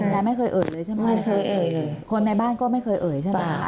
ยายไม่เคยเอ่ยเลยใช่ไหมไม่เคยเอ่ยเลยคนในบ้านก็ไม่เคยเอ่ยใช่ไหมคะ